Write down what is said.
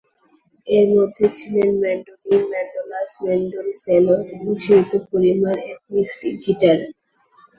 এর মধ্যে ছিল ম্যান্ডোলিন, ম্যান্ডোলাস, ম্যান্ডোসেলোস এবং সীমিত পরিমাণ অ্যাকুইস্টিক গিটার।